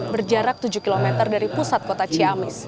berjarak tujuh km dari pusat kota ciamis